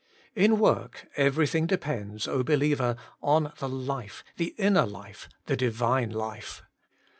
3. In work everything depends. O believer, on the life, the inner life, the Divine life.